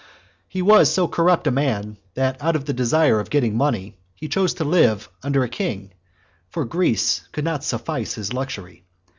He was so corrupt a man, that out of the desire of getting money, he chose to live under a king, for Greece could not suffice his luxury.